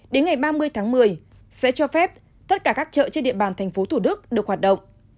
đến ngày ba mươi tháng một mươi sẽ cho phép tất cả các chợ trên địa bàn thành phố thủ đức được hoạt động